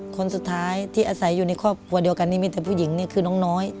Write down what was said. คนสุดท้ายที่อาศัยอยู่ในครอบครัวเดียวกันนี่มีแต่ผู้หญิงนี่คือน้องน้อย